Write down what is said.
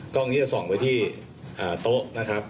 นี้จะส่องไปที่โต๊ะนะครับ